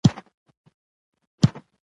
د پښتو زده کړه زموږ حق دی.